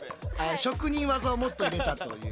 職人技をもっと入れたという。